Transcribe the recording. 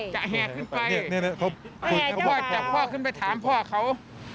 จะแห่ขึ้นไปว่าจะพ่อขึ้นไปถามพ่อเขา